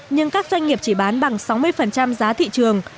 nhưng các doanh nghiệp chỉ bán bằng sáu mươi giá thị trường